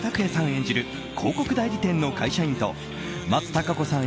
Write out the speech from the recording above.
演じる広告代理店の会社員と松たか子さん